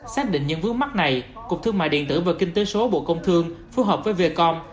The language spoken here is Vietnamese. xác định những vướng mắt này cục thương mại điện tử và kinh tế số bộ công thương phù hợp với vecom